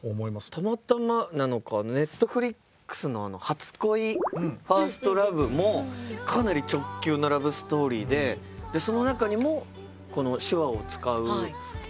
たまたまなのかＮｅｔｆｌｉｘの「初恋ＦｉｒｓｔＬｏｖｅ」もかなり直球のラブストーリーでその中にもこの手話を使うシーンが出てきて。